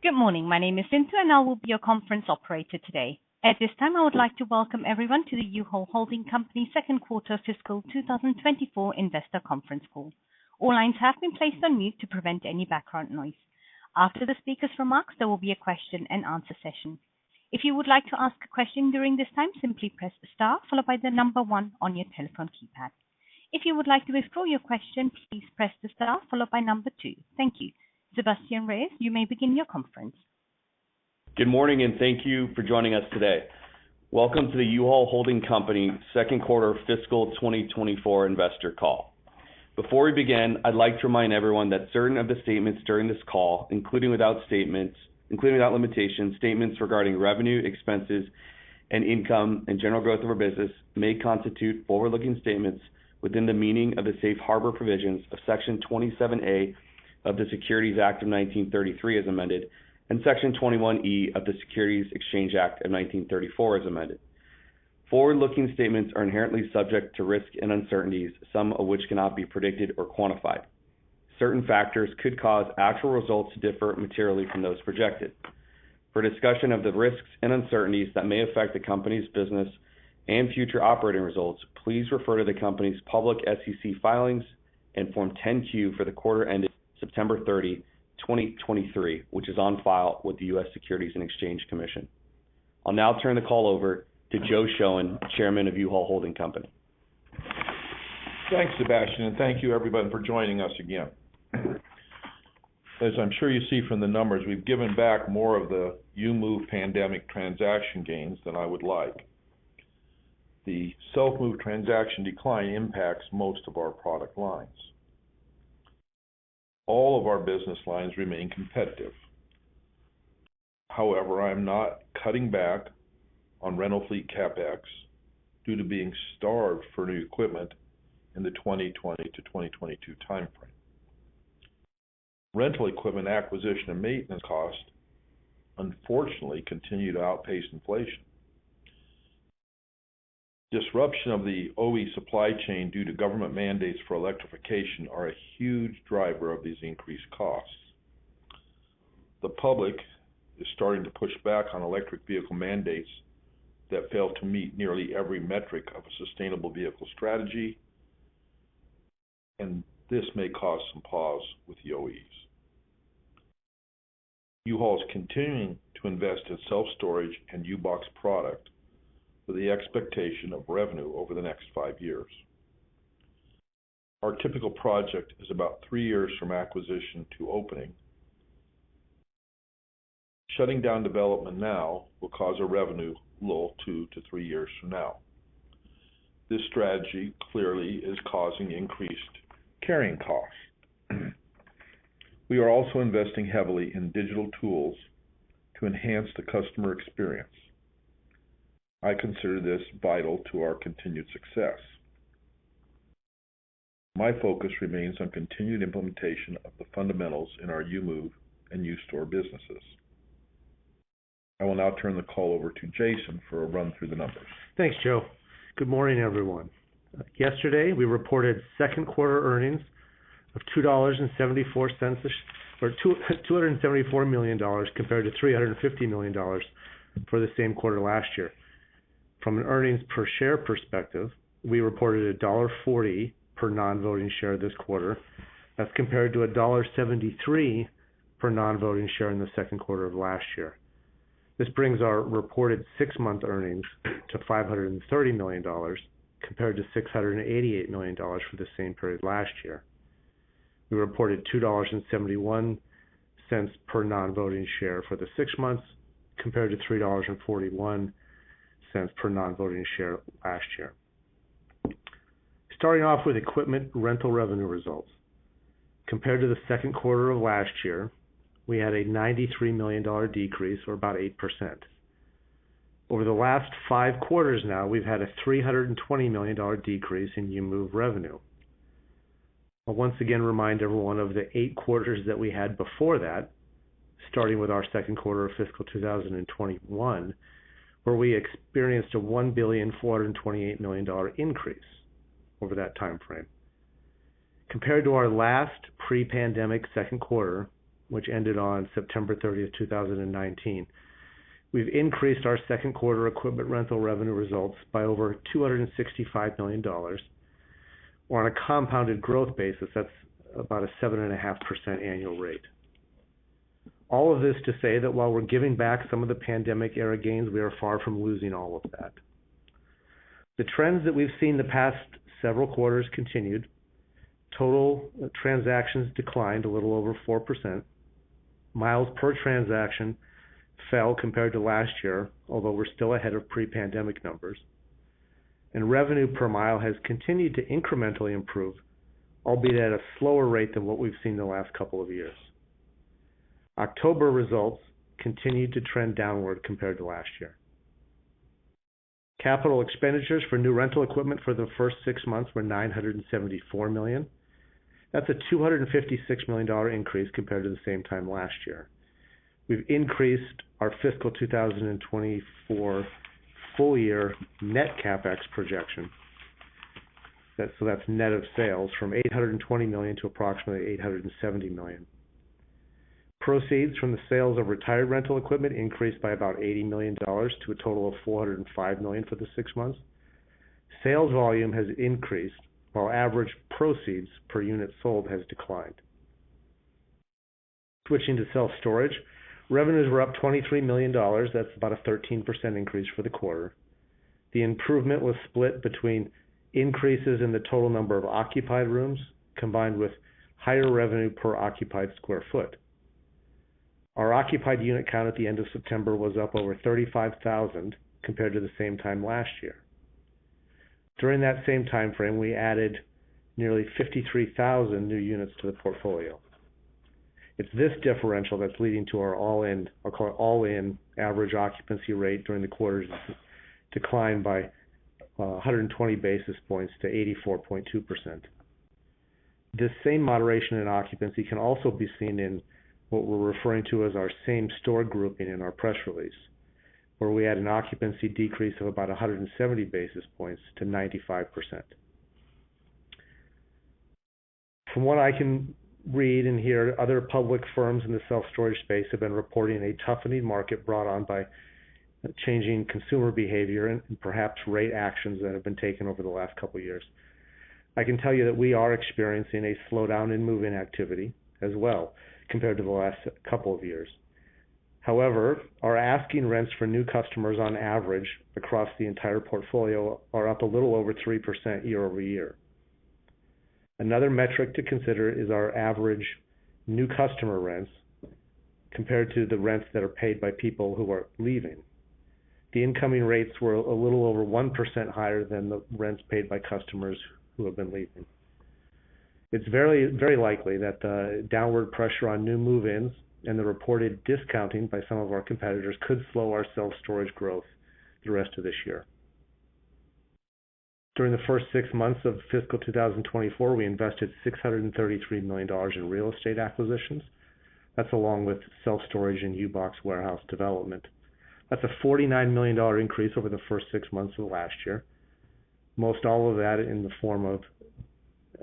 Good morning. My name is Cynthia, and I will be your conference operator today. At this time, I would like to welcome everyone to the U-Haul Holding Company second quarter fiscal 2024 investor conference call. All lines have been placed on mute to prevent any background noise. After the speaker's remarks, there will be a question-and-answer session. If you would like to ask a question during this time, simply press star followed by the number one on your telephone keypad. If you would like to withdraw your question, please press the star followed by number two. Thank you. Sebastien Reyes, you may begin your conference. Good morning, and thank you for joining us today. Welcome to the U-Haul Holding Company second-quarter fiscal 2024 investor call. Before we begin, I'd like to remind everyone that certain of the statements during this call, including without limitation, statements regarding revenue, expenses, and income, and general growth of our business, may constitute forward-looking statements within the meaning of the safe harbor provisions of Section 27A of the Securities Act of 1933, as amended, and Section 21E of the Securities Exchange Act of 1934, as amended. Forward-looking statements are inherently subject to risks and uncertainties, some of which cannot be predicted or quantified. Certain factors could cause actual results to differ materially from those projected. For a discussion of the risks and uncertainties that may affect the company's business and future operating results, please refer to the company's public SEC filings and Form 10-Q for the quarter ended September 30, 2023, which is on file with the U.S. Securities and Exchange Commission. I'll now turn the call over to Joe Shoen, Chairman of U-Haul Holding Company. Thanks, Sebastien, and thank you, everyone, for joining us again. As I'm sure you see from the numbers, we've given back more of the U-Move pandemic transaction gains than I would like. The self-move transaction decline impacts most of our product lines. All of our business lines remain competitive. However, I'm not cutting back on rental fleet CapEx due to being starved for new equipment in the 2020 to 2022 timeframe. Rental equipment acquisition and maintenance costs, unfortunately, continue to outpace inflation. Disruption of the OE supply chain due to government mandates for electrification are a huge driver of these increased costs. The public is starting to push back on electric vehicle mandates that fail to meet nearly every metric of a sustainable vehicle strategy, and this may cause some pause with the OEs. U-Haul is continuing to invest in self-storage and U-Box product with the expectation of revenue over the next five years. Our typical project is about three years from acquisition to opening. Shutting down development now will cause a revenue lull two to three years from now. This strategy clearly is causing increased carrying costs. We are also investing heavily in digital tools to enhance the customer experience. I consider this vital to our continued success. My focus remains on continued implementation of the fundamentals in our U-Move and U-Store businesses. I will now turn the call over to Jason for a run through the numbers. Thanks, Joe. Good morning, everyone. Yesterday, we reported second-quarter earnings of $2.74, or $274 million, compared to $350 million for the same quarter last year. From an earnings per share perspective, we reported $1.40 per non-voting share this quarter. That's compared to $1.73 per non-voting share in the second quarter of last year. This brings our reported six-month earnings to $530 million, compared to $688 million for the same period last year. We reported $2.71 per non-voting share for the six months, compared to $3.41 per non-voting share last year. Starting off with equipment rental revenue results. Compared to the second quarter of last year, we had a $93 million decrease, or about 8%. Over the last five quarters now, we've had a $320 million decrease in U-Move revenue. I'll once again remind everyone of the eight quarters that we had before that, starting with our second quarter of fiscal 2021, where we experienced a $1.428 billion increase over that timeframe. Compared to our last pre-pandemic second quarter, which ended on September 30, 2019, we've increased our second quarter equipment rental revenue results by over $265 million, on a compounded growth basis, that's about a 7.5% annual rate. All of this to say that while we're giving back some of the pandemic-era gains, we are far from losing all of that. The trends that we've seen the past several quarters continued. Total transactions declined a little over 4%. Miles per transaction fell compared to last year, although we're still ahead of pre-pandemic numbers, and revenue per mile has continued to incrementally improve, albeit at a slower rate than what we've seen in the last couple of years. October results continued to trend downward compared to last year. Capital expenditures for new rental equipment for the first six months were $974 million. That's a $256 million increase compared to the same time last year. We've increased our fiscal 2024 full-year net CapEx projection.... So that's net of sales from $820 million to approximately $870 million. Proceeds from the sales of retired rental equipment increased by about $80 million, to a total of $405 million for the six months. Sales volume has increased, while average proceeds per unit sold has declined. Switching to self-storage, revenues were up $23 million. That's about a 13% increase for the quarter. The improvement was split between increases in the total number of occupied rooms, combined with higher revenue per occupied square foot. Our occupied unit count at the end of September was up over 35,000 compared to the same time last year. During that same time frame, we added nearly 53,000 new units to the portfolio. It's this differential that's leading to our all-in, our call, all-in average occupancy rate during the quarter to decline by 120 basis points to 84.2%. This same moderation in occupancy can also be seen in what we're referring to as our same-store grouping in our press release, where we had an occupancy decrease of about 170 basis points to 95%. From what I can read and hear, other public firms in the self-storage space have been reporting a toughened market brought on by changing consumer behavior and perhaps rate actions that have been taken over the last couple of years. I can tell you that we are experiencing a slowdown in move-in activity as well, compared to the last couple of years. However, our asking rents for new customers on average across the entire portfolio are up a little over 3% year-over-year. Another metric to consider is our average new customer rents compared to the rents that are paid by people who are leaving. The incoming rates were a little over 1% higher than the rents paid by customers who have been leaving. It's very, very likely that the downward pressure on new move-ins and the reported discounting by some of our competitors could slow our self-storage growth the rest of this year. During the first six months of fiscal 2024, we invested $633 million in real estate acquisitions. That's along with self-storage and U-Box warehouse development. That's a $49 million increase over the first six months of last year, most all of that in the form of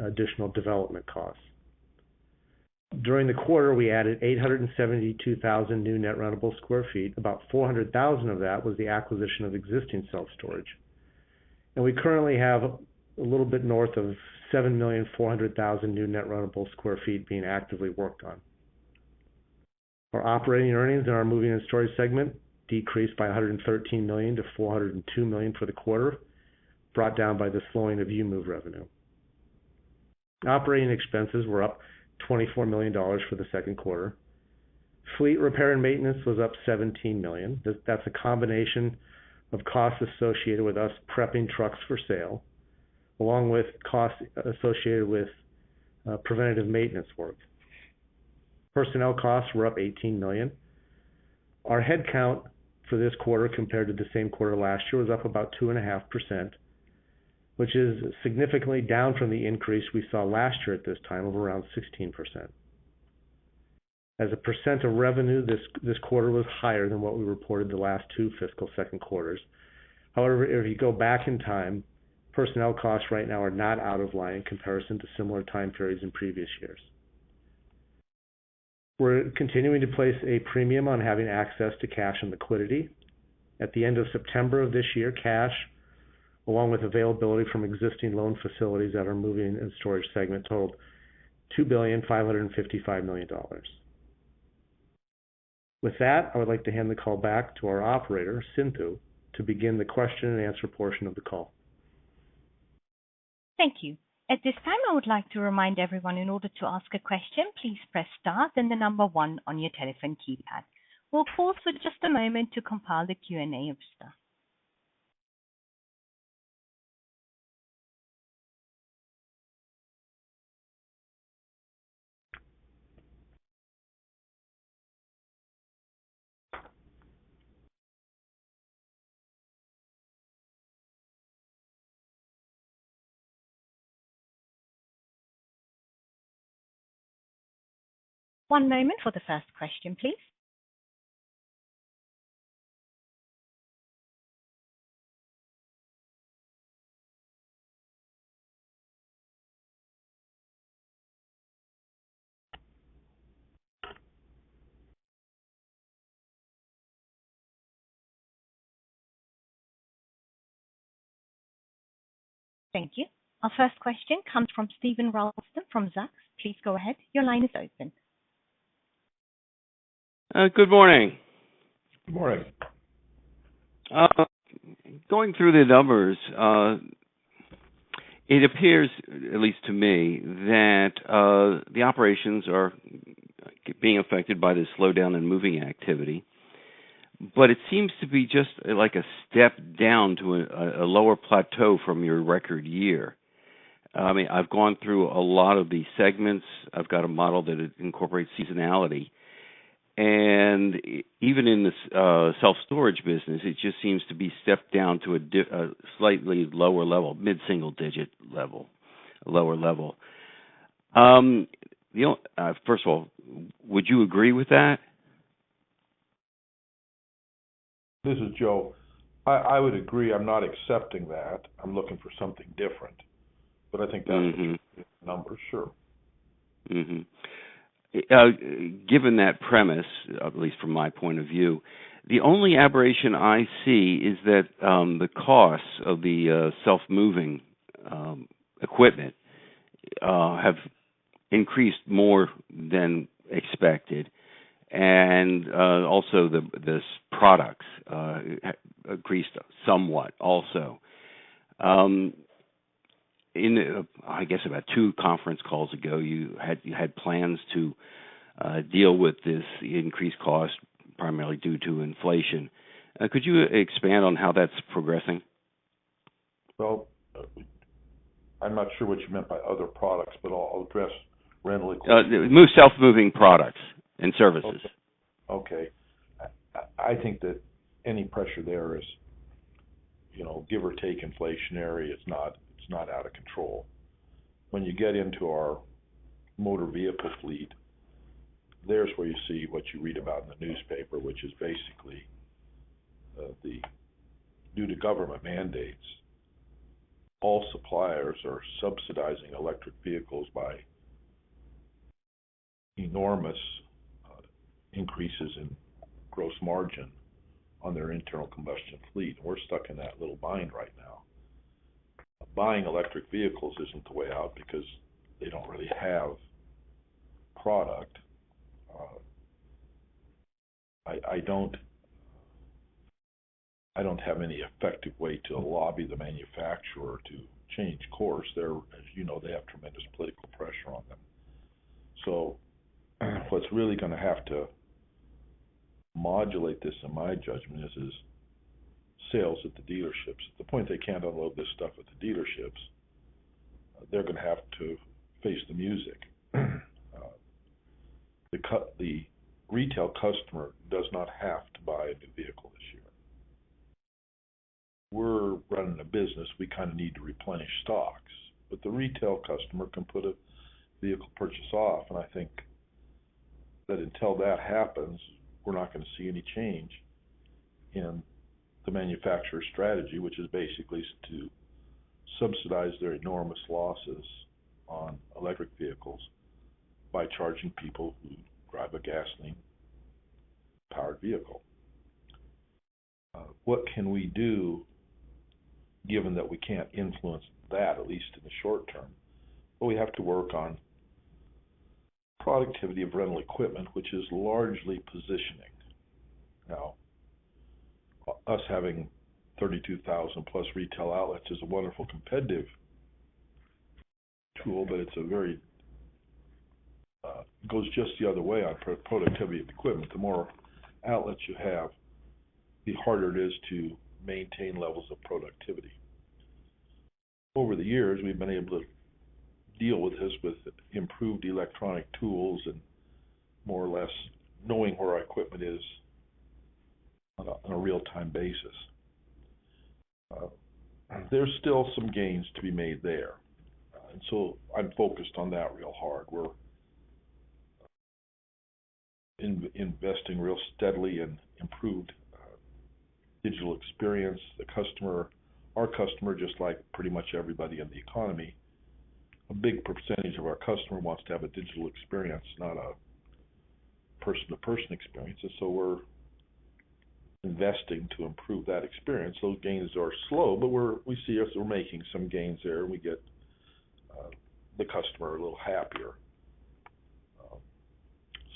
additional development costs. During the quarter, we added 872,000 new net rentable sq ft. About 400,000 of that was the acquisition of existing self-storage, and we currently have a little bit north of 7,400,000 new net rentable square feet being actively worked on. Our operating earnings in our Moving and Storage segment decreased by $113 million to $402 million for the quarter, brought down by the slowing of U-Move revenue. Operating expenses were up $24 million for the second quarter. Fleet repair and maintenance was up $17 million. That's a combination of costs associated with us prepping trucks for sale, along with costs associated with preventative maintenance work. Personnel costs were up $18 million. Our headcount for this quarter, compared to the same quarter last year, was up about 2.5%, which is significantly down from the increase we saw last year at this time of around 16%. As a percent of revenue, this, this quarter was higher than what we reported the last two fiscal second quarters. However, if you go back in time, personnel costs right now are not out of line in comparison to similar time periods in previous years. We're continuing to place a premium on having access to cash and liquidity. At the end of September of this year, cash, along with availability from existing loan facilities that are moving in storage segment, totaled $2.555 billion. With that, I would like to hand the call back to our operator, Cynthia, to begin the question and answer portion of the call. Thank you. At this time, I would like to remind everyone, in order to ask a question, please press Star, then the number one on your telephone keypad. We'll pause for just a moment to compile the Q&A of stuff. One moment for the first question, please. Thank you. Our first question comes from Steven Ralston from Zacks. Please go ahead. Your line is open. Good morning. Good morning. Going through the numbers, it appears, at least to me, that the operations are being affected by this slowdown in moving activity, but it seems to be just like a step down to a lower plateau from your record year. I mean, I've gone through a lot of these segments. I've got a model that incorporates seasonality, and even in this self-storage business, it just seems to be stepped down to a slightly lower level, mid-single-digit level, lower level. First of all, would you agree with that?... This is Joe. I, I would agree. I'm not accepting that. I'm looking for something different, but I think- Mm-hmm. That's the number. Sure. Mm-hmm. Given that premise, at least from my point of view, the only aberration I see is that the costs of the self-moving equipment have increased more than expected, and also these products increased somewhat also. In, I guess, about two conference calls ago, you had plans to deal with this increased cost, primarily due to inflation. Could you expand on how that's progressing? Well, I'm not sure what you meant by other products, but I'll, I'll address rental equipment. U-Move self-moving products and services. Okay. I think that any pressure there is, you know, give or take inflationary, it's not out of control. When you get into our motor vehicle fleet, there's where you see what you read about in the newspaper, which is basically due to government mandates, all suppliers are subsidizing electric vehicles by enormous increases in gross margin on their internal combustion fleet. We're stuck in that little bind right now. Buying electric vehicles isn't the way out because they don't really have product. I don't have any effective way to lobby the manufacturer to change course. They're, as you know, they have tremendous political pressure on them. So what's really gonna have to modulate this, in my judgment, is sales at the dealerships. At the point they can't unload this stuff at the dealerships, they're gonna have to face the music. The retail customer does not have to buy a new vehicle this year. We're running a business, we kind of need to replenish stocks, but the retail customer can put a vehicle purchase off, and I think that until that happens, we're not gonna see any change in the manufacturer's strategy, which is basically to subsidize their enormous losses on electric vehicles by charging people who drive a gasoline-powered vehicle. What can we do, given that we can't influence that, at least in the short term? Well, we have to work on productivity of rental equipment, which is largely positioning. Now, us having 32,000+ retail outlets is a wonderful competitive tool, but it's a very... It goes just the other way on productivity of equipment. The more outlets you have, the harder it is to maintain levels of productivity. Over the years, we've been able to deal with this with improved electronic tools and more or less knowing where our equipment is on a real-time basis. There's still some gains to be made there, and so I'm focused on that real hard. We're investing real steadily in improved digital experience. The customer, our customer, just like pretty much everybody in the economy, a big percentage of our customer wants to have a digital experience, not a person-to-person experience. And so we're investing to improve that experience. Those gains are slow, but we're making some gains there, and we get the customer a little happier.self-move-in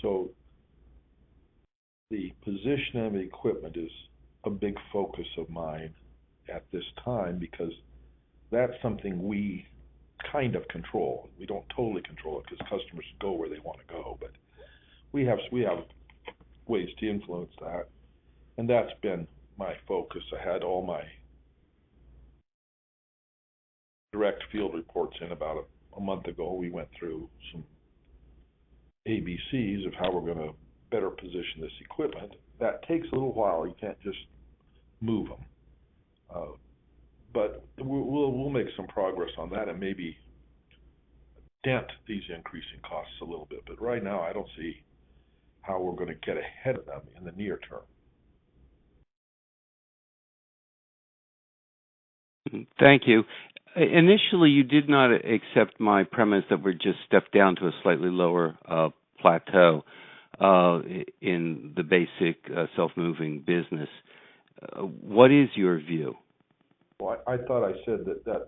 So the position of the equipment is a big focus of mine at this time because that's something we kind of control. We don't totally control it because customers go where they want to go, but we have, we have ways to influence that, and that's been my focus. I had all my direct field reports in about a month ago. We went through some ABCs of how we're gonna better position this equipment. That takes a little while. You can't just move them, but we, we'll, we'll make some progress on that and maybe dent these increasing costs a little bit. But right now, I don't see how we're gonna get ahead of them in the near term. Thank you. Initially, you did not accept my premise that we're just stepped down to a slightly lower, plateau, in the basic, self-moving business. What is your view? Well, I thought I said that...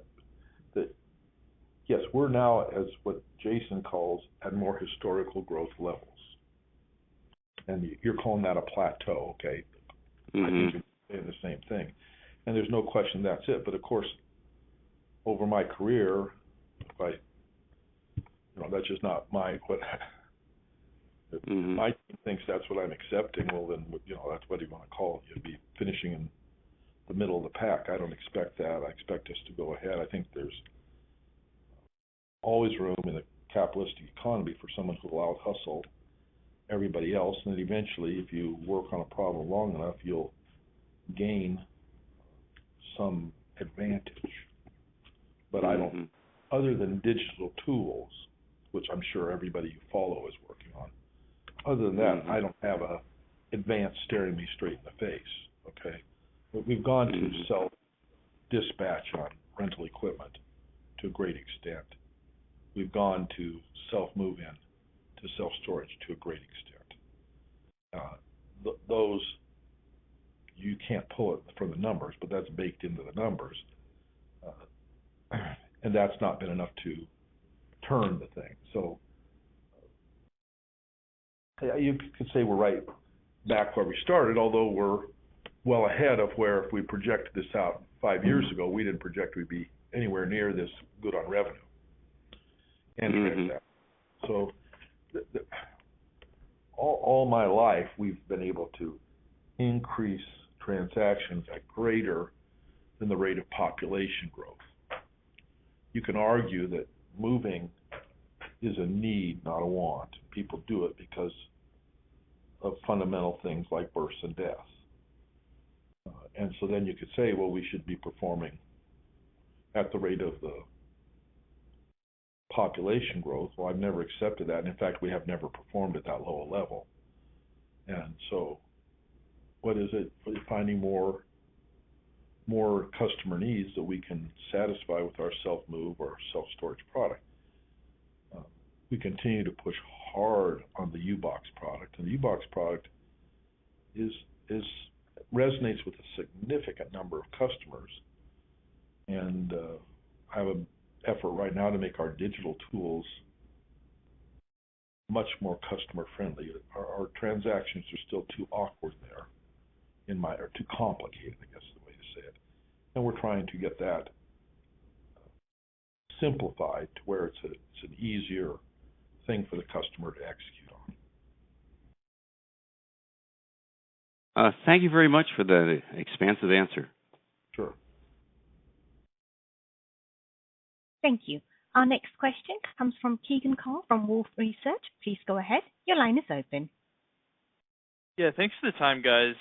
Yes, we're now, as what Jason calls, at more historical growth levels. And you're calling that a plateau, okay. Mm-hmm. I think we're saying the same thing, and there's no question that's it. But of course, over my career, I... You know, that's just not my what- Mm-hmm. If Mike thinks that's what I'm accepting, well, then, you know, that's what you want to call it. You'll be finishing in the middle of the pack. I don't expect that. I expect us to go ahead. I think there's always room in a capitalistic economy for someone to outhustle everybody else, and eventually, if you work on a problem long enough, you'll gain some advantage, but I don't. Other than digital tools, which I'm sure everybody you follow is working on, other than that, I don't have an advance staring me straight in the face, okay? But we've gone to self-dispatch on rental equipment to a great extent. We've gone to self-move-in, to self-storage, to a great extent. Those you can't pull it from the numbers, but that's baked into the numbers. And that's not been enough to turn the thing. So you could say we're right back where we started, although we're well ahead of where if we projected this out five years ago, we didn't project we'd be anywhere near this good on revenue and things like that. All my life, we've been able to increase transactions at greater than the rate of population growth. You can argue that moving is a need, not a want. People do it because of fundamental things like births and deaths. And so then you could say, well, we should be performing at the rate of the population growth. Well, I've never accepted that, and in fact, we have never performed at that lower level. And so what is it? We're finding more customer needs that we can satisfy with our self-move or self-storage product. We continue to push hard on the U-Box product, and the U-Box product is resonates with a significant number of customers, and I have an effort right now to make our digital tools much more customer-friendly. Our transactions are still too awkward there, in my... or too complicated, I guess, is the way to say it. And we're trying to get that simplified to where it's an easier thing for the customer to execute on. Thank you very much for the expansive answer. Sure. Thank you. Our next question comes from Keegan Carl from Wolfe Research. Please go ahead. Your line is open. Yeah, thanks for the time, guys.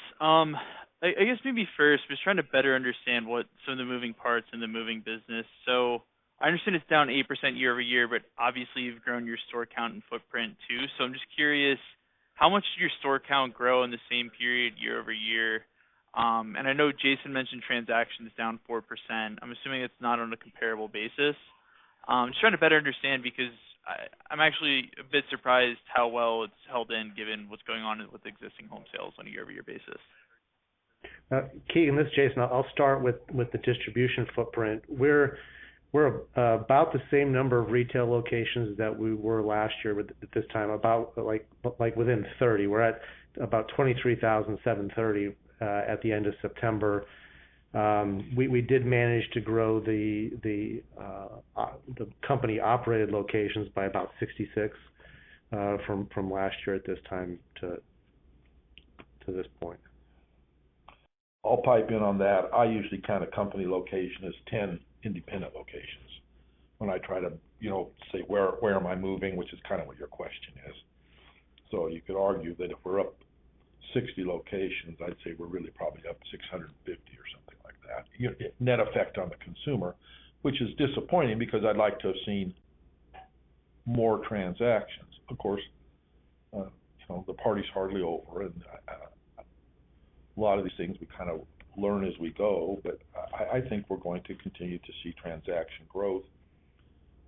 I guess maybe first, just trying to better understand what some of the moving parts in the moving business. So I understand it's down 8% year-over-year, but obviously, you've grown your store count and footprint, too. So I'm just curious, how much did your store count grow in the same period year-over-year? And I know Jason mentioned transactions down 4%. I'm assuming it's not on a comparable basis. Just trying to better understand because I'm actually a bit surprised how well it's held in given what's going on with existing home sales on a year-over-year basis. Keegan, this is Jason. I'll start with, with the distribution footprint. We're, we're about the same number of retail locations that we were last year with, at this time, about within 30. We're at about 23,730 at the end of September. We did manage to grow the company-operated locations by about 66 from last year at this time to this point. I'll pipe in on that. I usually count a company location as 10 independent locations when I try to, you know, say, where, where am I moving? Which is kind of what your question is. So you could argue that if we're up 60 locations, I'd say we're really probably up 650 or something like that, you know, net effect on the consumer, which is disappointing because I'd like to have seen more transactions. Of course, you know, the party's hardly over, and a lot of these things we kind of learn as we go, but I think we're going to continue to see transaction growth.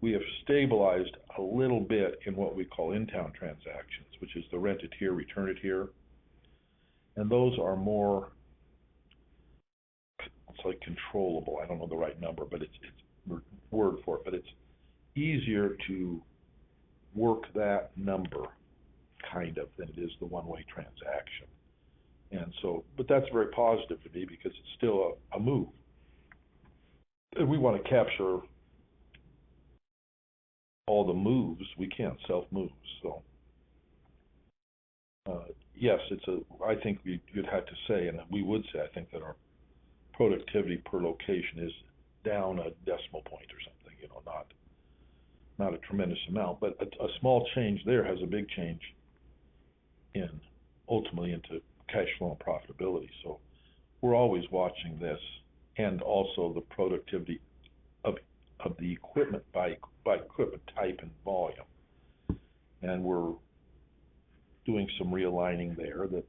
We have stabilized a little bit in what we call in-town transactions, which is the rent it here, return it here, and those are more, it's like, controllable. I don't know the right number, but it's, it's word for it, but it's easier to work that number kind of than it is the one-way transaction. And so, but that's very positive for me because it's still a move. If we want to capture all the moves, we can't self-move, so... Yes, it's a—I think we, you'd have to say, and we would say, I think that our productivity per location is down a decimal point or something, you know, not a tremendous amount, but a small change there has a big change in, ultimately into cash flow and profitability. So we're always watching this and also the productivity of the equipment by equipment type and volume. And we're doing some realigning there that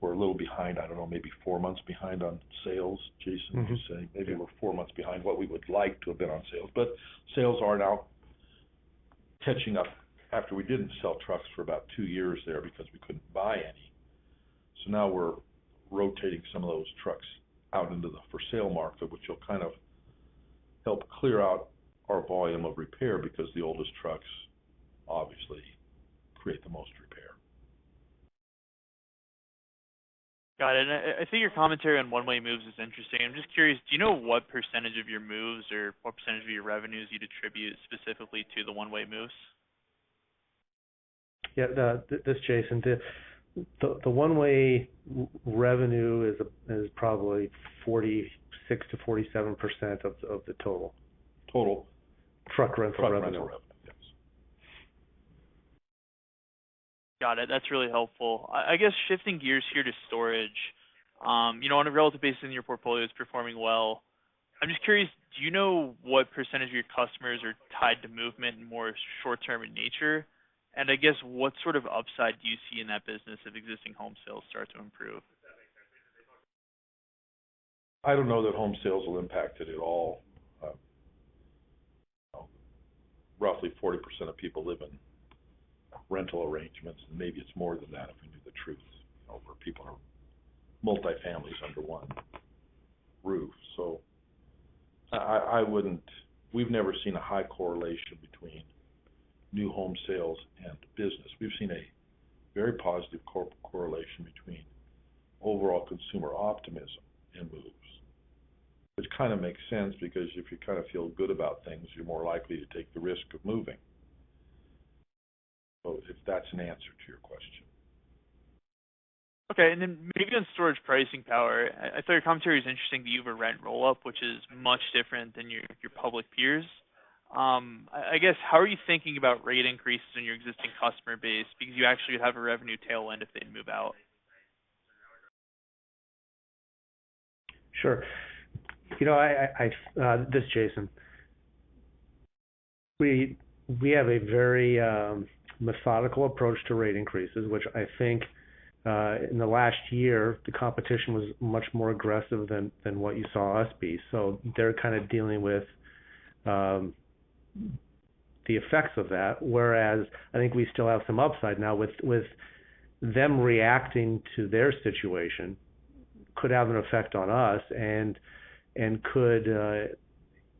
we're a little behind. I don't know, maybe four months behind on sales. Jason, would you say? Mm-hmm. Maybe we're four months behind what we would like to have been on sales, but sales are now catching up after we didn't sell trucks for about two years there because we couldn't buy any. So now we're rotating some of those trucks out into the for-sale market, which will kind of help clear out our volume of repair because the oldest trucks obviously create the most repair. Got it. I, I think your commentary on one-way moves is interesting. I'm just curious, do you know what percentage of your moves or what percentage of your revenues you'd attribute specifically to the one-way moves? Yeah, this is Jason. The one-way revenue is probably 46%-47% of the total. Total? Truck rental revenue.... Got it. That's really helpful. I, I guess, shifting gears here to storage, you know, on a relative basis in your portfolio, it's performing well. I'm just curious, do you know what percentage of your customers are tied to movement and more short-term in nature? And I guess, what sort of upside do you see in that business if existing home sales start to improve? I don't know that home sales will impact it at all. Roughly 40% of people live in rental arrangements, and maybe it's more than that if we knew the truth, you know, where people are multifamilies under one roof. So I wouldn't. We've never seen a high correlation between new home sales and business. We've seen a very positive correlation between overall consumer optimism and moves, which kind of makes sense because if you kind of feel good about things, you're more likely to take the risk of moving. So if that's an answer to your question. Okay. And then maybe on storage pricing power, I thought your commentary was interesting, that you have a rent roll-up, which is much different than your public peers. I guess, how are you thinking about rate increases in your existing customer base? Because you actually have a revenue tailwind if they move out. Sure. You know, this is Jason. We have a very methodical approach to rate increases, which I think in the last year, the competition was much more aggressive than what you saw us be. So they're kind of dealing with the effects of that, whereas I think we still have some upside now with them reacting to their situation, could have an effect on us and could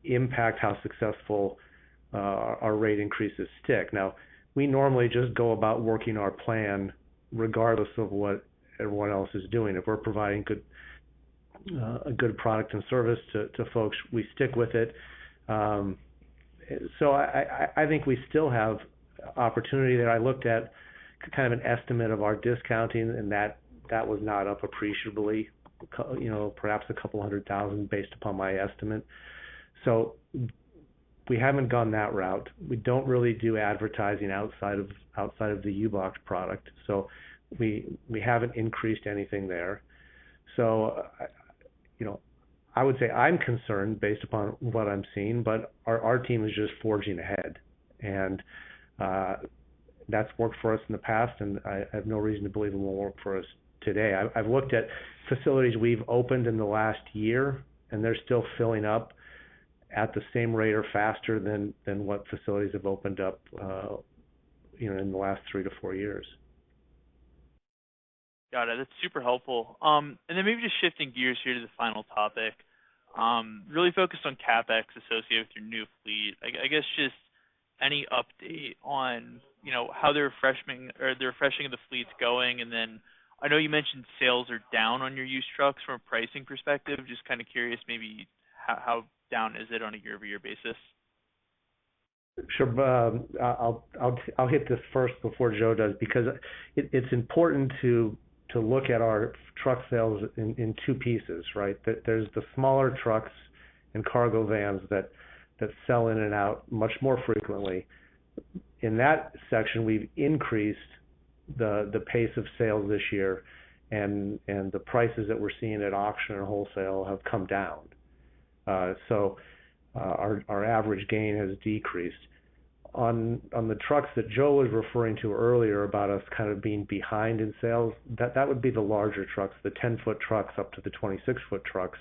impact how successful our rate increases stick. Now, we normally just go about working our plan regardless of what everyone else is doing. If we're providing a good product and service to folks, we stick with it. So I think we still have opportunity that I looked at, kind of an estimate of our discounting, and that was not up appreciably, you know, perhaps $200,000 based upon my estimate. So we haven't gone that route. We don't really do advertising outside of the U-Box product, so we haven't increased anything there. So, you know, I would say I'm concerned based upon what I'm seeing, but our team is just forging ahead, and that's worked for us in the past, and I have no reason to believe it won't work for us today. I've looked at facilities we've opened in the last year, and they're still filling up at the same rate or faster than what facilities have opened up, you know, in the last three to four years. Got it. That's super helpful. And then maybe just shifting gears here to the final topic, really focused on CapEx associated with your new fleet. I guess, just any update on, you know, how the refreshing of the fleet is going, and then I know you mentioned sales are down on your used trucks from a pricing perspective. Just kind of curious, maybe, how down is it on a year-over-year basis? Sure. I'll hit this first before Joe does, because it's important to look at our truck sales in two pieces, right? That there's the smaller trucks and cargo vans that sell in and out much more frequently. In that section, we've increased the pace of sales this year, and the prices that we're seeing at auction or wholesale have come down. So, our average gain has decreased. On the trucks that Joe was referring to earlier about us kind of being behind in sales, that would be the larger trucks, the 10-foot trucks up to the 26-foot trucks.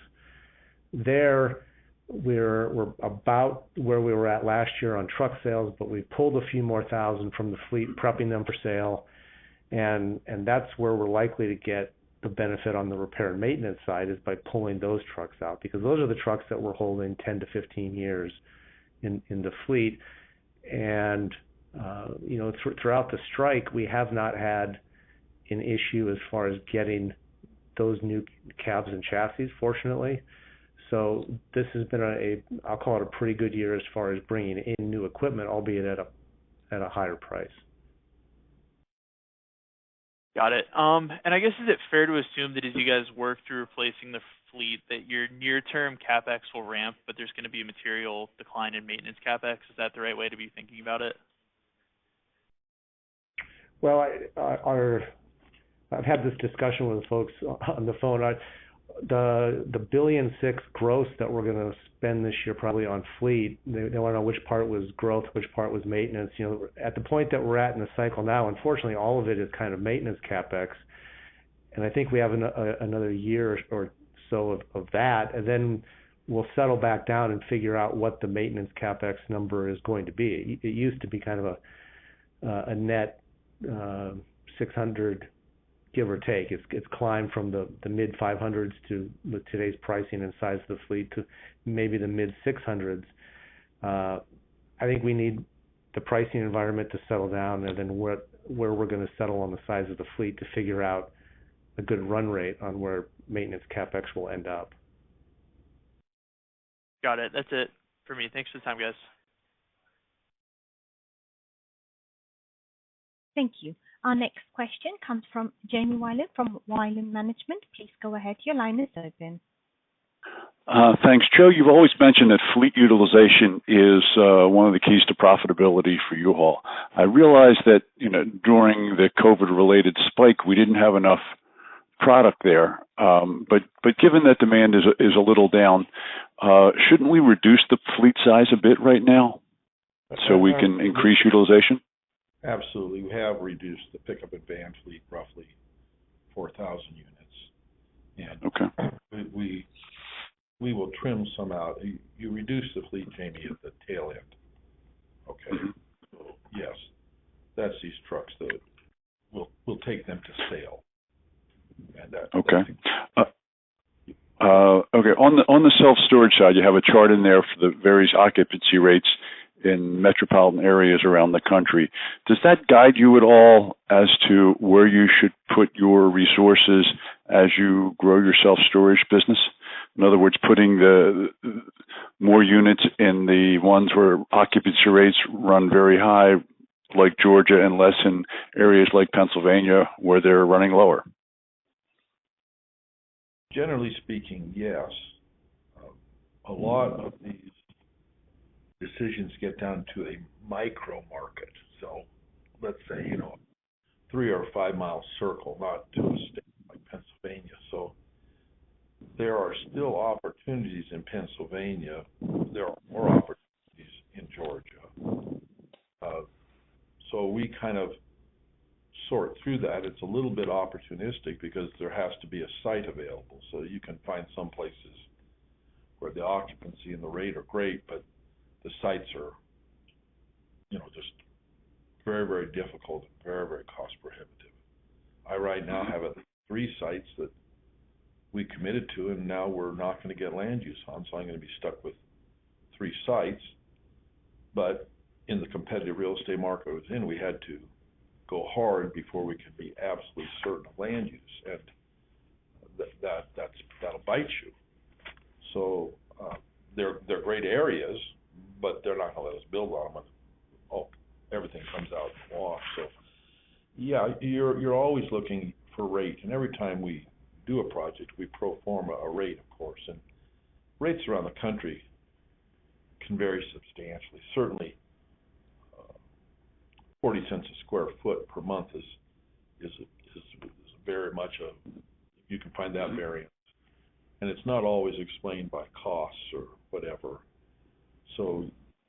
We're about where we were at last year on truck sales, but we've pulled a few more thousand from the fleet, prepping them for sale. That's where we're likely to get the benefit on the repair and maintenance side, is by pulling those trucks out, because those are the trucks that we're holding 10-15 years in the fleet. And you know, throughout the strike, we have not had an issue as far as getting those new cabs and chassis, fortunately. So this has been a, I'll call it a pretty good year as far as bringing in new equipment, albeit at a higher price. Got it. I guess, is it fair to assume that as you guys work through replacing the fleet, that your near-term CapEx will ramp, but there's going to be a material decline in maintenance CapEx? Is that the right way to be thinking about it? Well, I've had this discussion with folks on the phone. The $1.6 billion growth that we're going to spend this year, probably on fleet, they want to know which part was growth, which part was maintenance. You know, at the point that we're at in the cycle now, unfortunately, all of it is kind of maintenance CapEx, and I think we have another year or so of that, and then we'll settle back down and figure out what the maintenance CapEx number is going to be. It used to be kind of a net $600, give or take. It's climbed from the mid-$500s to today's pricing and size of the fleet to maybe the mid-$600s. I think we need the pricing environment to settle down and then where we're going to settle on the size of the fleet to figure out a good run rate on where maintenance CapEx will end up. Got it. That's it for me. Thanks for the time, guys. Thank you. Our next question comes from Jamie Wilen from Wilen Management. Please go ahead. Your line is open.... Thanks. Joe, you've always mentioned that fleet utilization is one of the keys to profitability for U-Haul. I realize that, you know, during the COVID-related spike, we didn't have enough product there, but given that demand is a little down, shouldn't we reduce the fleet size a bit right now so we can increase utilization? Absolutely. We have reduced the pickup and van fleet roughly 4,000 units. And- Okay. We will trim some out. You reduce the fleet, Jamie, at the tail end, okay? So yes, that's these trucks that we'll take them to sale, and that- Okay. Okay, on the self-storage side, you have a chart in there for the various occupancy rates in metropolitan areas around the country. Does that guide you at all as to where you should put your resources as you grow your self-storage business? In other words, putting more units in the ones where occupancy rates run very high, like Georgia, and less in areas like Pennsylvania, where they're running lower? Generally speaking, yes. A lot of these decisions get down to a micro market. So let's say, you know, a 3-mi or 5-mi circle, not to a state like Pennsylvania. So there are still opportunities in Pennsylvania. There are more opportunities in Georgia. So we kind of sort through that. It's a little bit opportunistic because there has to be a site available. So you can find some places where the occupancy and the rate are great, but the sites are, you know, just very, very difficult and very, very cost-prohibitive. I right now have three sites that we committed to, and now we're not going to get land use on, so I'm going to be stuck with three sites. But in the competitive real estate market I was in, we had to go hard before we could be absolutely certain of land use, and that, that's, that'll bite you. So, they're, they're great areas, but they're not going to let us build on them. Oh, everything comes out off. So yeah, you're always looking for rate, and every time we do a project, we pro forma a rate, of course, and rates around the country can vary substantially. Certainly, 0.40 a sq ft per month is very much a... You can find that variance. And it's not always explained by costs or whatever. So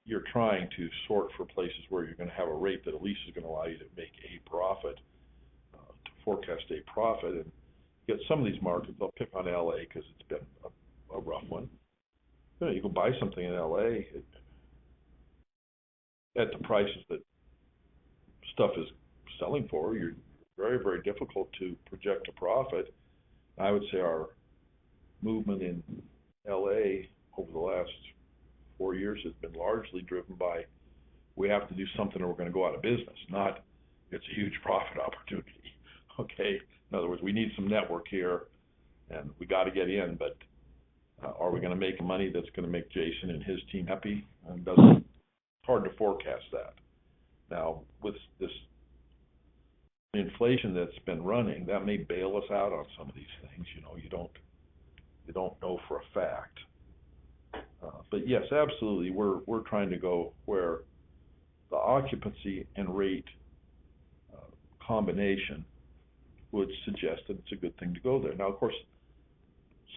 you're trying to sort for places where you're going to have a rate that at least is going to allow you to make a profit, to forecast a profit, and yet some of these markets, I'll pick on L.A., because it's been a rough one. You know, you go buy something in L.A., it, at the prices that stuff is selling for, you're very, very difficult to project a profit. I would say our movement in L.A. over the last four years has been largely driven by, we have to do something, or we're going to go out of business, not it's a huge profit opportunity, okay? In other words, we need some network here, and we got to get in, but, are we going to make money that's going to make Jason and his team happy? Does it... It's hard to forecast that. Now, with this inflation that's been running, that may bail us out on some of these things. You know, you don't, you don't know for a fact. But yes, absolutely, we're, we're trying to go where the occupancy and rate combination would suggest that it's a good thing to go there. Now, of course,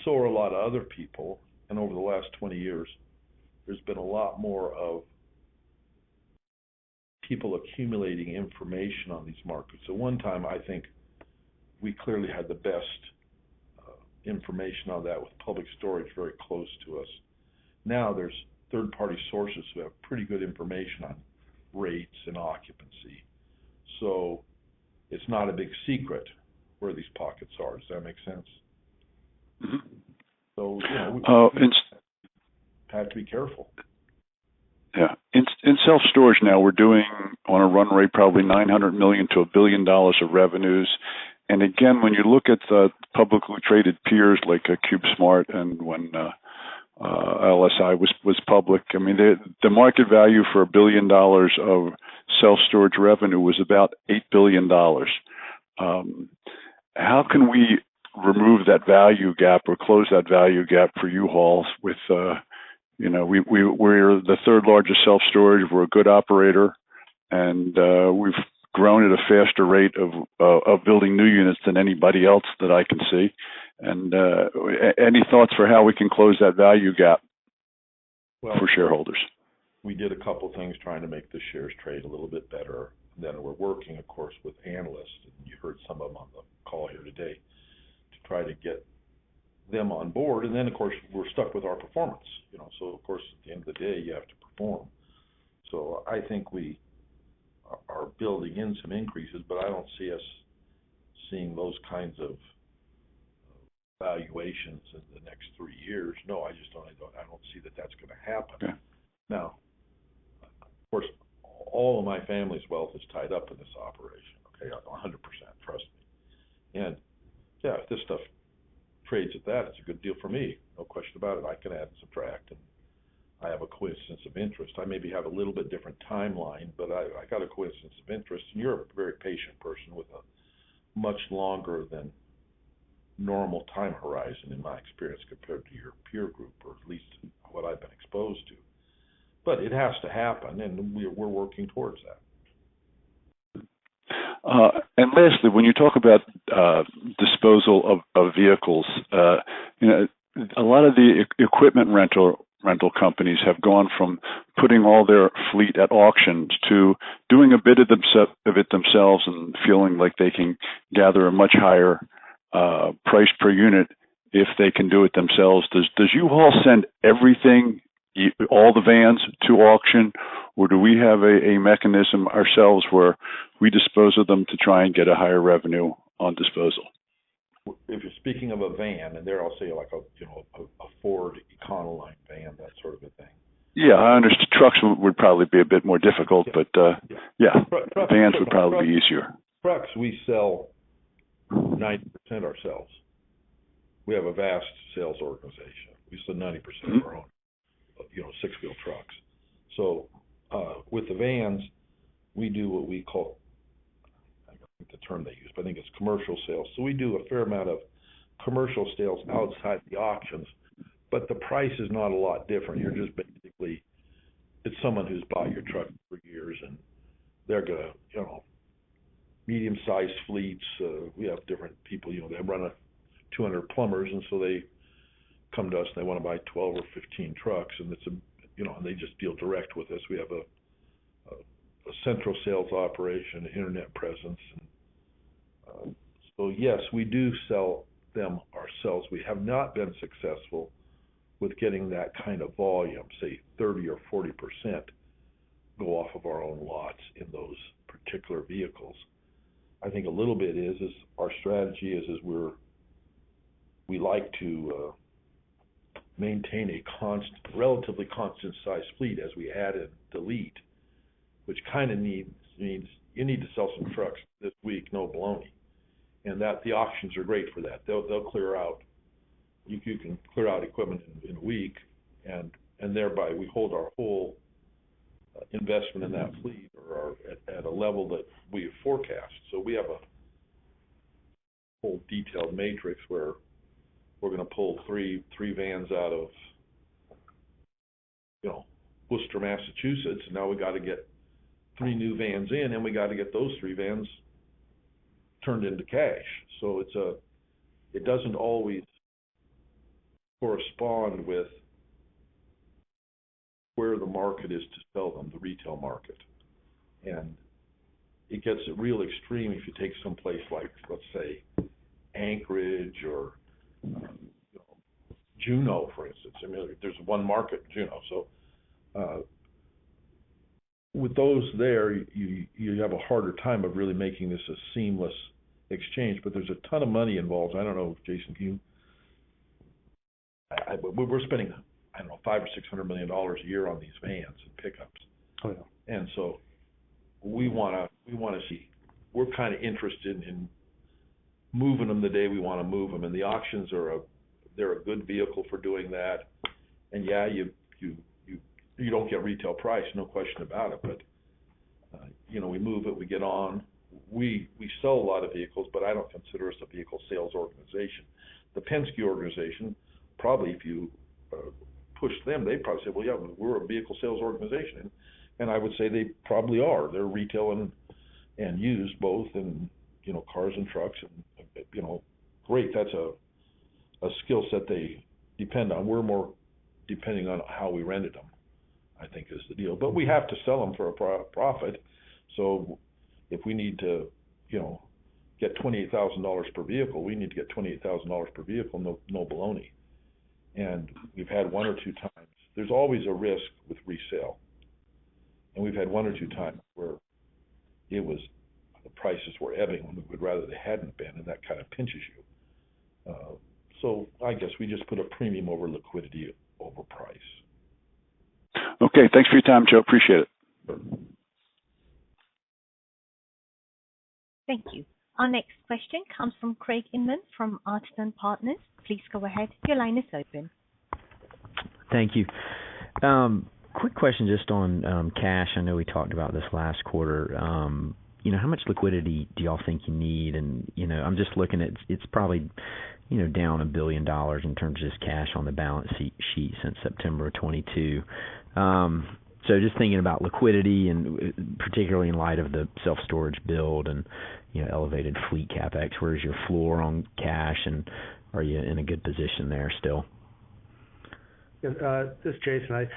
so are a lot of other people, and over the last 20 years, there's been a lot more people accumulating information on these markets. At one time, I think we clearly had the best information on that with Public Storage very close to us. Now, there's third-party sources who have pretty good information on rates and occupancy. So it's not a big secret where these pockets are. Does that make sense? Mm-hmm. So, yeah, Uh, it's- Have to be careful. Yeah. In self-storage now, we're doing on a run rate, probably $900 million-$1 billion of revenues. And again, when you look at the publicly traded peers like CubeSmart and when LSI was public, I mean, the market value for $1 billion of self-storage revenue was about $8 billion. How can we remove that value gap or close that value gap for U-Haul with... You know, we, we're the third largest self-storage. We're a good operator, and we've grown at a faster rate of building new units than anybody else that I can see. And any thoughts for how we can close that value gap- Well- -for shareholders?... We did a couple of things trying to make the shares trade a little bit better. Then we're working, of course, with analysts, and you heard some of them on the call here today, to try to get them on board. And then, of course, we're stuck with our performance, you know, so of course, at the end of the day, you have to perform. So I think we are building in some increases, but I don't see us seeing those kinds of valuations in the next three years. No, I just don't. I don't, I don't see that that's going to happen. Yeah. Now, of course, all of my family's wealth is tied up in this operation, okay? 100%, trust me. And yeah, if this stuff trades at that, it's a good deal for me. No question about it. I can add and subtract.... I have a coincidence of interest. I maybe have a little bit different timeline, but I, I got a coincidence of interest, and you're a very patient person with a much longer than normal time horizon, in my experience, compared to your peer group, or at least what I've been exposed to. But it has to happen, and we're working towards that. And lastly, when you talk about disposal of vehicles, you know, a lot of the equipment rental companies have gone from putting all their fleet at auctions to doing a bit of it themselves and feeling like they can gather a much higher price per unit if they can do it themselves. Does U-Haul send everything, y'all the vans to auction, or do we have a mechanism ourselves where we dispose of them to try and get a higher revenue on disposal? If you're speaking of a van, and there I'll say like a, you know, a Ford Econoline van, that sort of a thing. Yeah. I understand trucks would probably be a bit more difficult, but, Yeah. Yeah. Vans would probably be easier. Trucks, we sell 90% ourselves. We have a vast sales organization. We sell 90% of our own, you know, six-wheel trucks. So, with the vans, we do what we call... I don't know the term they use, but I think it's commercial sales. So we do a fair amount of commercial sales outside the auctions, but the price is not a lot different. You're just basically, it's someone who's bought your truck for years, and they're gonna, you know. Medium-sized fleets, we have different people, you know, they run a 200 plumbers, and so they come to us, and they want to buy 12 or 15 trucks, and it's, you know, and they just deal directly with us. We have a central sales operation, an internet presence. And, so yes, we do sell them ourselves. We have not been successful with getting that kind of volume, say 30 or 40%, go off of our own lots in those particular vehicles. I think a little bit is our strategy is we're we like to maintain a relatively constant size fleet as we add and delete, which kind of needs. You need to sell some trucks this week, no baloney. And that, the auctions are great for that. They'll clear out, you can clear out equipment in a week, and thereby we hold our whole investment in that fleet or at a level that we have forecast. So we have a whole detailed matrix where we're going to pull three, three vans out of, you know, Worcester, Massachusetts. Now we got to get three new vans in, and we got to get those three vans turned into cash. So it's a, it doesn't always correspond with where the market is to sell them, the retail market. And it gets real extreme if you take someplace like, let's say, Anchorage or, you know, Juneau, for instance. I mean, there's one market in Juneau, so, with those there, you have a harder time of really making this a seamless exchange, but there's a ton of money involved. I don't know if, Jason, can you...? We're spending, I don't know, $500 million-$600 million a year on these vans and pickups. Oh, yeah. So we wanna see. We're kind of interested in moving them the day we want to move them, and the auctions are a good vehicle for doing that. And yeah, you don't get retail price, no question about it, but you know, we move it, we get on. We sell a lot of vehicles, but I don't consider us a vehicle sales organization. The Penske organization, probably if you push them, they'd probably say, "Well, yeah, we're a vehicle sales organization." And I would say they probably are. They're retail and used both in, you know, cars and trucks and, you know, great, that's a skill set they depend on. We're more depending on how we rented them, I think is the deal, but we have to sell them for a profit. So if we need to, you know, get $28,000 per vehicle, we need to get $28,000 per vehicle, no, no baloney. And we've had one or two times... There's always a risk with resale, and we've had one or two times where it was, the prices were ebbing, when we would rather they hadn't been, and that kind of pinches you. So I guess we just put a premium over liquidity over price. Okay, thanks for your time, Joe. Appreciate it. Thank you. Our next question comes from Craig Inman, from Artisan Partners. Please go ahead. Your line is open. Thank you. Quick question just on cash. I know we talked about this last quarter. You know, how much liquidity do you all think you need? And, you know, I'm just looking at, it's probably, you know, down $1 billion in terms of just cash on the balance sheet since September of 2022. So just thinking about liquidity and, particularly in light of the self-storage build and, you know, elevated fleet CapEx, where is your floor on cash, and are you in a good position there still? Yes, this is Jason.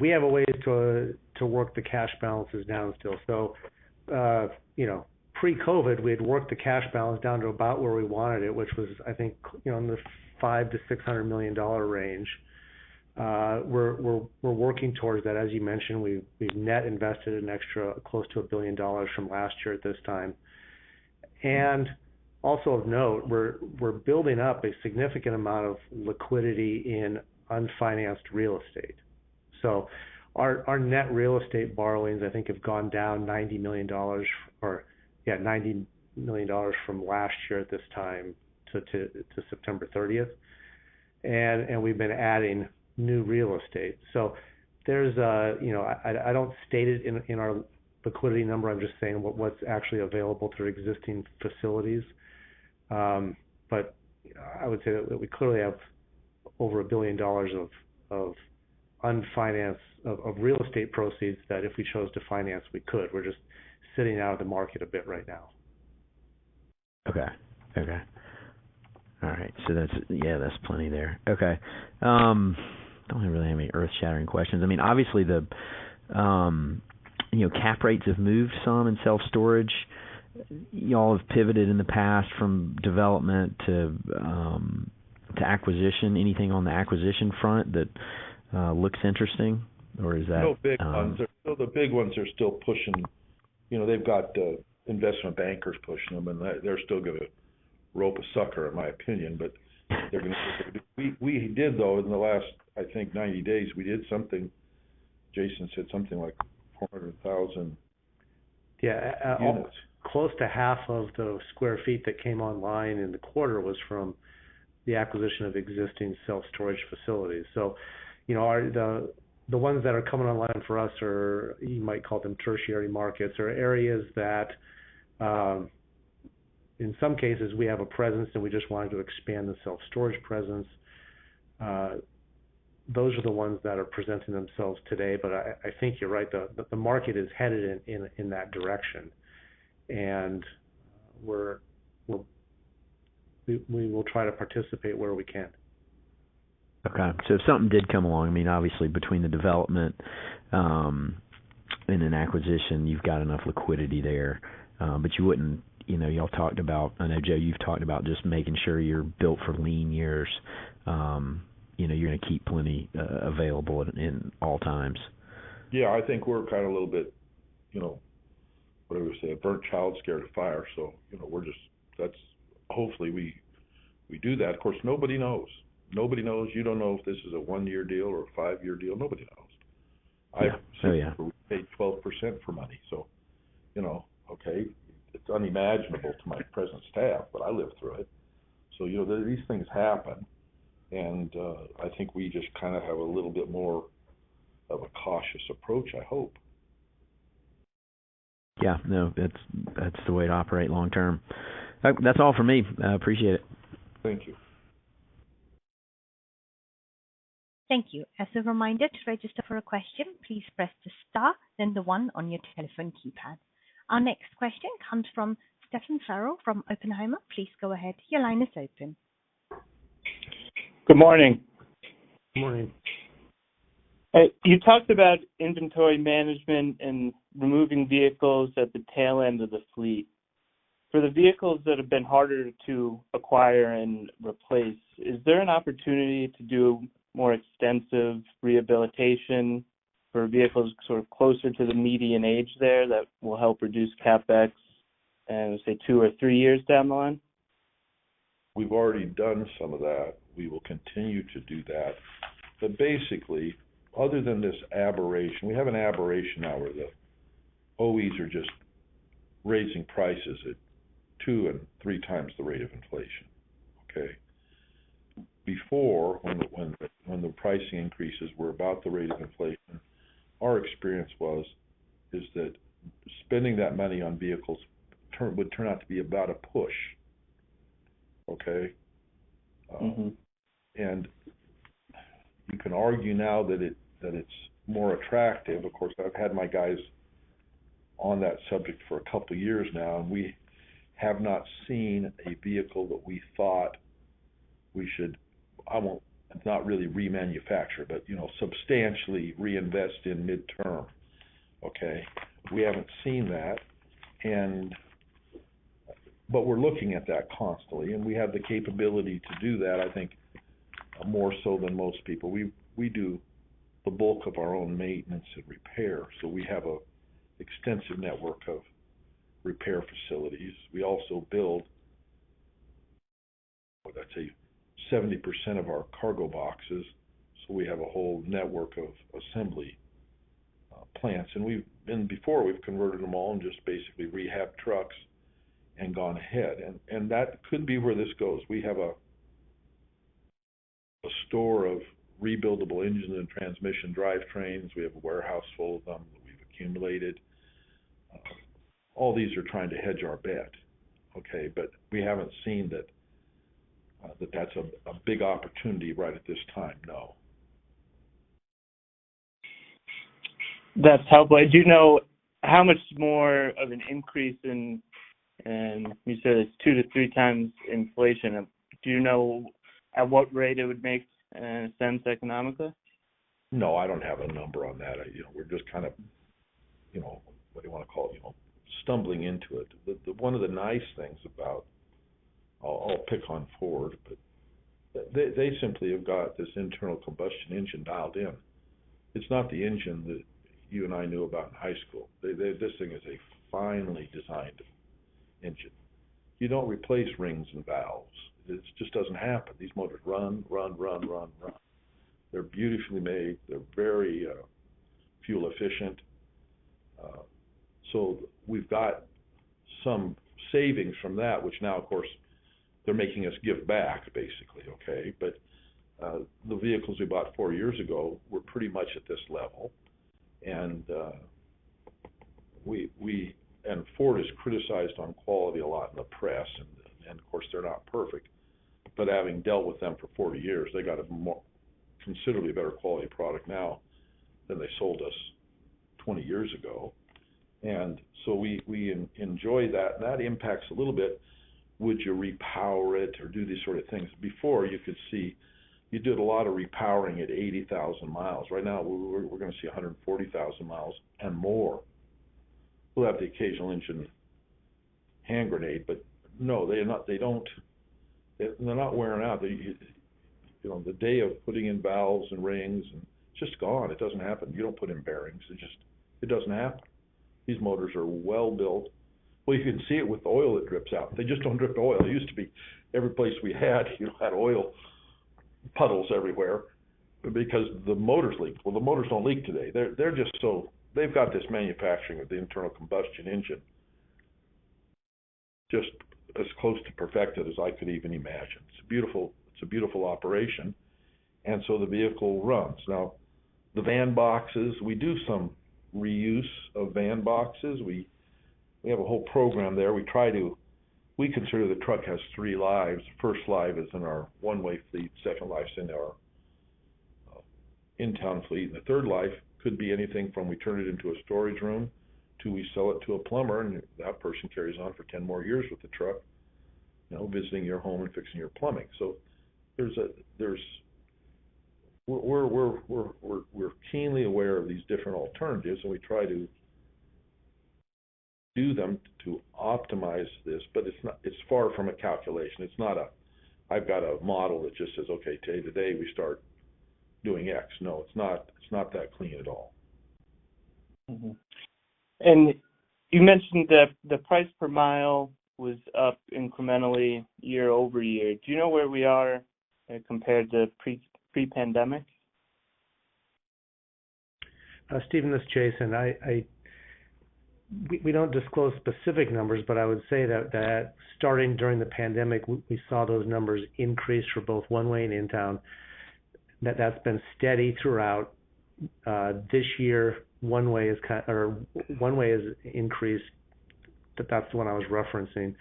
We have a way to work the cash balances down still. So, you know, pre-COVID, we had worked the cash balance down to about where we wanted it, which was, I think, you know, in the $500 million-$600 million range. We're working towards that. As you mentioned, we've net invested an extra close to $1 billion from last year at this time. And also of note, we're building up a significant amount of liquidity in unfinanced real estate.... So our net real estate borrowings, I think, have gone down $90 million or, yeah, $90 million from last year at this time to September 30, and we've been adding new real estate. So there's a, you know, I don't state it in our liquidity number, I'm just saying what's actually available through existing facilities. But I would say that we clearly have over $1 billion of unfinanced real estate proceeds that if we chose to finance, we could. We're just sitting out of the market a bit right now. Okay. Okay. All right. So that's, yeah, that's plenty there. Okay, I don't really have any earth-shattering questions. I mean, obviously, the, you know, cap rates have moved some in self-storage. Y'all have pivoted in the past from development to, to acquisition. Anything on the acquisition front that, looks interesting, or is that, No big ones. No, the big ones are still pushing... You know, they've got the investment bankers pushing them, and they, they're still gonna rope a sucker, in my opinion, but-- they're gonna-- We, we did, though, in the last, I think, 90 days, we did something. Jason said something like 400,000. Yeah, close to half of the square feet that came online in the quarter was from the acquisition of existing self-storage facilities. So, you know, the ones that are coming online for us are, you might call them tertiary markets or areas that, in some cases, we have a presence, and we just wanted to expand the self-storage presence. Those are the ones that are presenting themselves today, but I think you're right, the market is headed in that direction, and we will try to participate where we can. Okay. So if something did come along, I mean, obviously, between the development, and an acquisition, you've got enough liquidity there, but you wouldn't... You know, y'all talked about, I know, Jay, you've talked about just making sure you're built for lean years. You know, you're going to keep plenty, available at all times. Yeah, I think we're kind of a little bit, you know, whatever you say, a burnt child, scared of fire, so, you know, we're just-- That's-- Hopefully, we, we do that. Of course, nobody knows. Nobody knows. You don't know if this is a one-year deal or a five-year deal. Nobody knows. Yeah. Oh, yeah. I paid 12% for money, so, you know, okay, it's unimaginable to my present staff, but I lived through it. So, you know, these things happen, and I think we just kind of have a little bit more of a cautious approach, I hope. Yeah. No, that's, that's the way to operate long term. That's all for me. I appreciate it. Thank you. Thank you. As a reminder, to register for a question, please press the star, then the one on your telephone keypad. Our next question comes from Stephen Farrell from Oppenheimer. Please go ahead. Your line is open. Good morning. Good morning. You talked about inventory management and removing vehicles at the tail end of the fleet. For the vehicles that have been harder to acquire and replace, is there an opportunity to do more extensive rehabilitation for vehicles sort of closer to the median age there that will help reduce CapEx in, say, two or three years down the line? We've already done some of that. We will continue to do that. But basically, other than this aberration, we have an aberration now where the OEs are just raising prices at two and three times the rate of inflation, okay? Before, when the pricing increases were about the rate of inflation, our experience was, is that spending that money on vehicles would turn out to be about a push, okay? Mm-hmm. And you can argue now that it, that it's more attractive. Of course, I've had my guys on that subject for a couple of years now, and we have not seen a vehicle that we thought we should... I won't - not really remanufacture, but, you know, substantially reinvest in midterm, okay? We haven't seen that, and - but we're looking at that constantly, and we have the capability to do that, I think, more so than most people. We, we do the bulk of our own maintenance and repair, so we have an extensive network of repair facilities. We also build, I'd say, 70% of our cargo boxes, so we have a whole network of assembly plants, and we've - and before, we've converted them all and just basically rehabbed trucks and gone ahead. And, and that could be where this goes. We have a store of rebuildable engine and transmission drivetrains. We have a warehouse full of them that we've accumulated. All these are trying to hedge our bet, okay? But we haven't seen that that's a big opportunity right at this time, no. That's helpful. Do you know how much more of an increase in... And you said it's two to three times inflation. Do you know at what rate it would make sense economically? No, I don't have a number on that. You know, we're just kind of, you know, what do you want to call it, you know, stumbling into it. But one of the nice things about it. I'll, I'll pick on Ford, but they, they simply have got this internal combustion engine dialed in. It's not the engine that you and I knew about in high school. They, they. This thing is a finely designed engine. You don't replace rings and valves. It just doesn't happen. These motors run, run, run, run, run. They're beautifully made. They're very fuel-efficient. So we've got some savings from that, which now, of course, they're making us give back, basically, okay? But, the vehicles we bought four years ago were pretty much at this level, and Ford is criticized on quality a lot in the press, and, of course, they're not perfect, but having dealt with them for 40 years, they got a considerably better quality product now than they sold us 20 years ago. And so we enjoy that, and that impacts a little bit, would you repower it or do these sort of things? Before, you could see you did a lot of repowering at 80,000 mi. Right now, we're gonna see 140,000 mi and more. We'll have the occasional engine hand grenade, but no, they are not. They don't... They're not wearing out. They, you know, the day of putting in valves and rings and just gone. It doesn't happen. You don't put in bearings. It just, it doesn't happen. These motors are well-built. Well, you can see it with the oil that drips out. They just don't drip oil. It used to be every place we had, you had oil puddles everywhere because the motors leaked. Well, the motors don't leak today. They're just so— They've got this manufacturing of the internal combustion engine just as close to perfected as I could even imagine. It's a beautiful, it's a beautiful operation, and so the vehicle runs. Now, the van boxes, we do some reuse of van boxes. We have a whole program there. We try to— We consider the truck has three lives. First life is in our one-way fleet, second life is in our in-town fleet, and the third life could be anything from we turn it into a storage room to we sell it to a plumber, and that person carries on for 10 more years with the truck, you know, visiting your home and fixing your plumbing. So there's a-- we're keenly aware of these different alternatives, and we try to do them to optimize this, but it's not, it's far from a calculation. It's not a "I've got a model that just says, 'Okay, today we start doing X.'" No, it's not that clean at all. Mm-hmm. And you mentioned that the price per mile was up incrementally year over year. Do you know where we are compared to pre, pre-pandemic? Stephen, this is Jason. We don't disclose specific numbers, but I would say that starting during the pandemic, we saw those numbers increase for both one-way and in-town, that's been steady throughout. This year, one-way has increased, but that's the one I was referencing.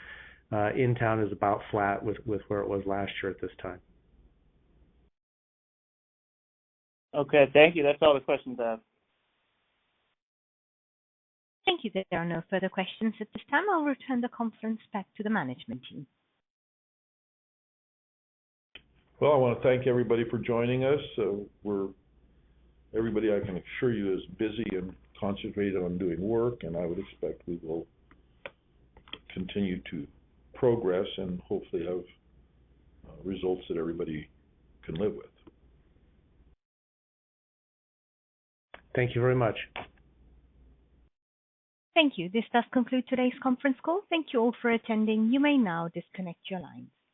In-town is about flat with where it was last year at this time. Okay. Thank you. That's all the questions I have. Thank you. There are no further questions at this time. I'll return the conference back to the management team. Well, I want to thank everybody for joining us. So we're, everybody, I can assure you, is busy and concentrated on doing work, and I would expect we will continue to progress and hopefully have results that everybody can live with. Thank you very much. Thank you. This does conclude today's conference call. Thank you all for attending. You may now disconnect your lines.